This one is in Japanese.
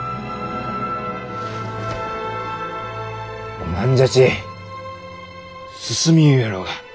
おまんじゃち進みゆうろうが。